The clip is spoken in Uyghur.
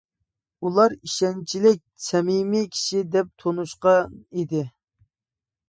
ئۇلار ئىشەنچلىك، سەمىمىي كىشى دەپ تونۇشقان ئىدى.